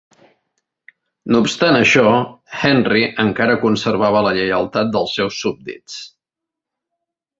No obstant això, Henry encara conservava la lleialtat dels seus súbdits.